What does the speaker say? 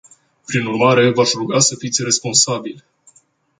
Prin urmare, v-aș ruga să fiți responsabili.